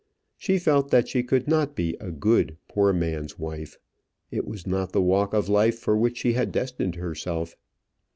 She felt that she could not be a good poor man's wife. It was not the walk of life for which she had destined herself.